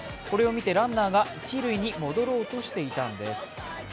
これを見てランナーが一塁に戻ろうとしていたんです。